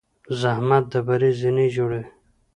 زحمت د بری زینې جوړوي.